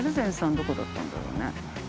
どこだったんだろうね。